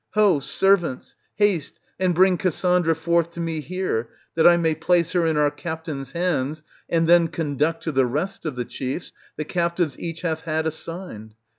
Ho, servants ! haste and bring Cassandra forth to me here, that I may place her in our captain's hands, and then conduct to the rest of the chiefs the captives each hath had assigned.